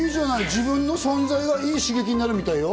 自分の存在がいい刺激になるみたいよ。